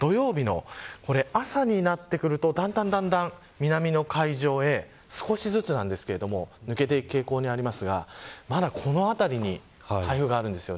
土曜日の朝になってくるとだんだん南の海上へ、少しずつですが抜けていく傾向にありますがまだ、この辺りに台風があるんです。